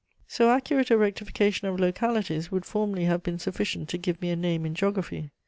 ] So accurate a rectification of localities would formerly have been sufficient to give me a name in geography.